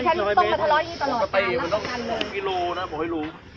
ก็รู้นะบอกให้รู้